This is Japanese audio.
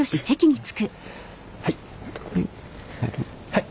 はい。